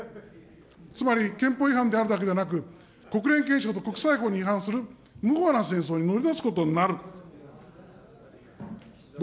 つまり憲法違反にあるだけでなく、国連憲章と国際法に違反するむこな戦争に乗り出すことになる。